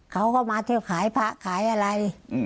เขาก็มาถ้าขายผักขายอะไร